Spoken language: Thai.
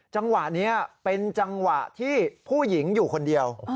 จังหวะนี้เป็นจังหวะที่ผู้หญิงอยู่คนเดียว